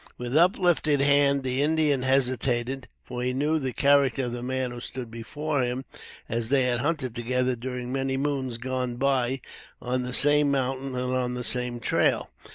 With uplifted hand, the Indian hesitated; for, he knew the character of the man who stood before him, as they had hunted together during many moons gone by, on the same mountains and on the same trail.